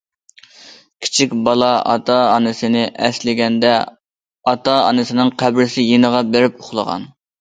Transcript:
كىچىك بالا ئاتا- ئانىسىنى ئەسلىگىنىدە ئاتا- ئانىسىنىڭ قەبرىسى يېنىغا بېرىپ ئۇخلىغان.